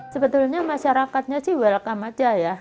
sebetulnya masyarakatnya sih welcome aja ya